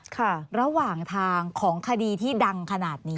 ในปลายทางของคดีที่ดังขนาดนี้